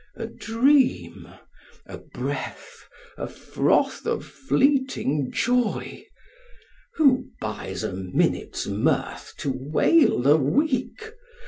A dream, a breath, a froth of fleeting joy. Who buys a minute's mirth to wail a week?